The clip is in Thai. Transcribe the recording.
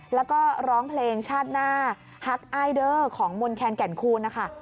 แล้วก็ร้องเพลงชาติหน้าฮักอ้ายเดอร์ของมนแคนแก่นคูณนะคะ